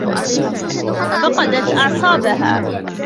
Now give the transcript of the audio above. فقدت أعصابها.